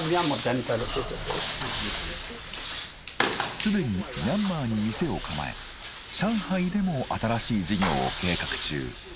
既にミャンマーに店を構え上海でも新しい事業を計画中。